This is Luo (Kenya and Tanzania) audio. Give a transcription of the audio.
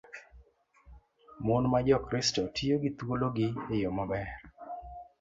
Mon ma Jokristo tiyo gi thuologi e yo maber.